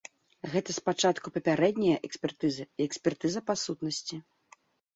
Гэта спачатку папярэдняя экспертыза і экспертыза па сутнасці.